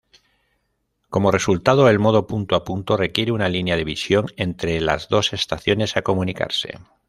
Como resultado, el modo punto-a-punto requiere una línea-de-visión entre las dos estaciones a comunicarse.